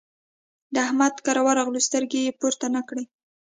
د احمد کره ورغلو؛ سترګې يې پورته نه کړې.